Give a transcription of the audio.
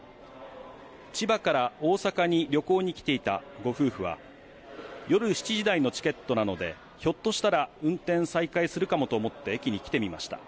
千葉から大阪に旅行に来ていたご夫婦は、夜７時台のチケットなので、ひょっとしたら運転再開するかもと思って駅に来てみました。